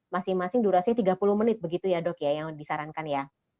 masing masing durasinya tiga puluh menit begitu ya dok ya yang disarankan ya